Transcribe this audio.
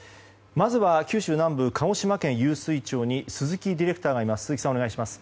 まずは九州南部鹿児島県湧水町に鈴木ディレクターがいます。